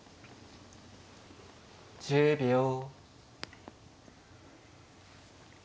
１０秒。